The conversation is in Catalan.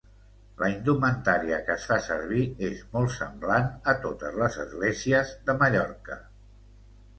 La indumentària que es fa servir és molt semblant a totes les esglésies de Mallorca.